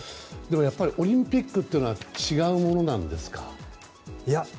でもやっぱりオリンピックは違うものなんですか？